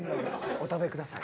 お食べください。